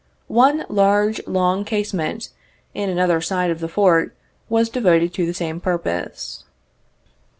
One large, long casemate, in another side of the Fort, was devoted to the same purpose.